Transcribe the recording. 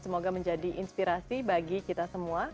semoga menjadi inspirasi bagi kita semua